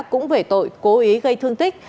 cũng về tội cố ý gây thương tích